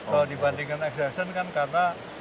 kalau dibandingin aksesor kan karena